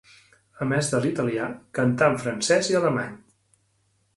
A més de l'italià, cantà en francès i alemany.